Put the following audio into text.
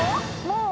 もう？